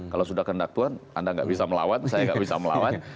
kalau sudah kehendak tuhan anda nggak bisa melawan saya nggak bisa melawan